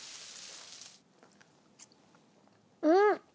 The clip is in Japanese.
うん！